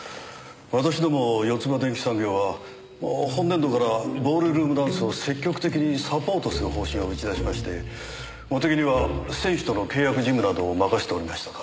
私どもヨツバ電機産業は本年度からボールルームダンスを積極的にサポートする方針を打ち出しまして茂手木には選手との契約事務などを任せておりましたから。